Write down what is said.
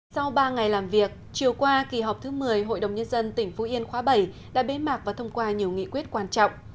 sau ba ngày làm việc chiều qua kỳ họp thứ một mươi hội đồng nhân dân tỉnh phú yên khóa bảy đã bế mạc và thông qua nhiều nghị quyết quan trọng